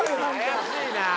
怪しいな。